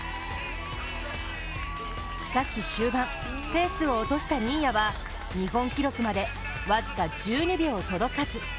しかし、終盤ペースを落とした新谷は日本記録まで、僅か１２秒届かず。